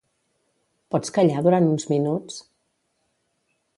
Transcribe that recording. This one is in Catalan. Pots callar durant uns minuts?